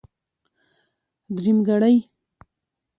درېمګړی.